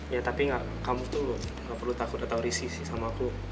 ya tapi kamu tuh gak perlu takut atau risih sih sama aku